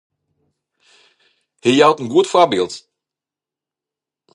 Hy jout in goed foarbyld.